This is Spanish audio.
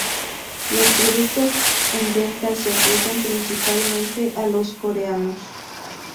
Los productos en venta se ofrecen principalmente a los coreanos.